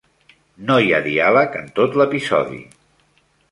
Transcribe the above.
No hi ha diàleg en tot l'episodi.